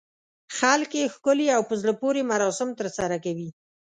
خلک یې ښکلي او په زړه پورې مراسم ترسره کوي.